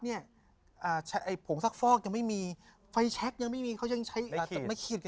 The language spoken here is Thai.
แจ๊คจิลวันนี้เขาสองคนไม่ได้มามูเรื่องกุมาทองอย่างเดียวแต่ว่าจะมาเล่าเรื่องประสบการณ์นะครับ